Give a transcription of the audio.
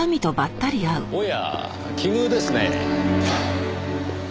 おや奇遇ですね。